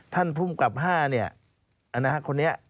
ท่านผู้กรรมห้าเนี่ย